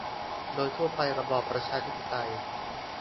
โดยทั่วไประบอบประชาธิปไตย